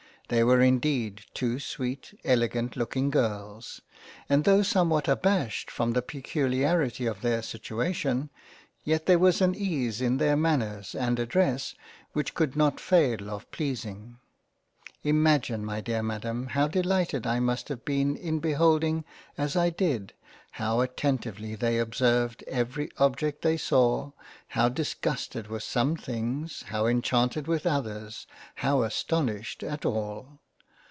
They were indeed two sweet, elegant looking Girls, and tho' somewhat abashed from the peculiarity of their situation, yet there was an ease in their Manners and address which could not fail of pleas ing —. Imagine my dear Madam how delighted I must have been in beholding as I did, how attentively they observed every object they saw, how disgusted with some Things, how enchanted with others, how astonished at all